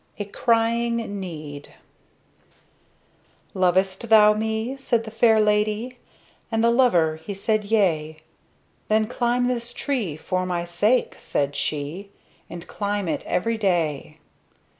A CRYING NEED "Lovest thou me?" said the Fair Ladye; And the Lover he said, "Yea!" "Then climb this tree for my sake," said she, "And climb it every day!"